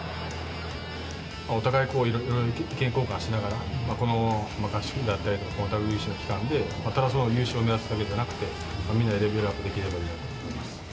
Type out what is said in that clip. お互い、いろいろ意見交換をしながら、この合宿だったりとか、ＷＢＣの期間で、ただ優勝を目指すだけではなくて、みんなでレベルアップできればいいなと思います。